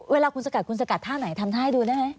เวลาคุณสกัดคุณสกัดท่าไหนทำท่าให้ดูได้ไหม